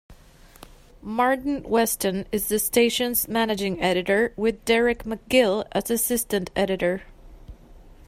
Martyn Weston is the station's managing editor with Derek McGill as assistant editor.